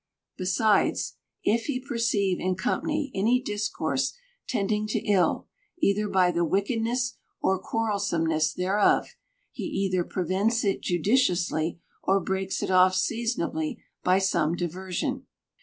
Besides, if he perceive in company any discourse tending to ill, either by the wickedness or quarrelsomeness thereof, he either pre vents it judiciously, or breaks it off seasonably by some diversion.